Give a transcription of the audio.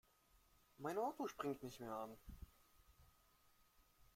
Mein Auto springt nicht mehr an.